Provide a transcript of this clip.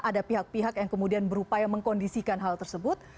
ada pihak pihak yang kemudian berupaya mengkondisikan hal tersebut